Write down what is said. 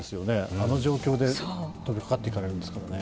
あの状況で飛びかかっていかれるんですからね。